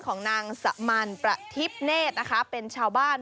ส่วนน้องแมวจริงอยู่เป็นสี่สิบตัว